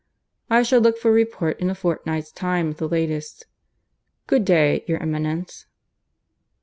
I shall look for a report in a fortnight's time at the latest. Good day, your Eminence."